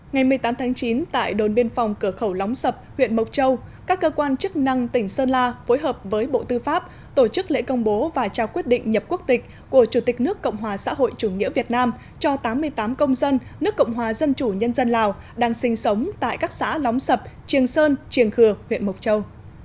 ngày một mươi tám tháng chín tại đồn biên phòng cửa khẩu lóng sập huyện mộc châu các cơ quan chức năng tỉnh sơn la phối hợp với bộ tư pháp tổ chức lễ công bố và trao quyết định nhập quốc tịch của chủ tịch nước cộng hòa xã hội chủ nghĩa việt nam cho tám mươi tám công dân nước cộng hòa dân chủ nhân dân lào đang sinh sống tại các xã lóng sập triềng sơn triềng khừa huyện mộc châu